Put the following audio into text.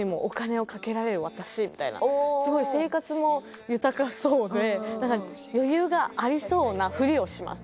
すごい生活も豊かそうで何か余裕がありそうなふりをします